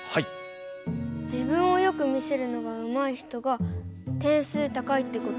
自分をよく見せるのがうまい人が点数高いってこと？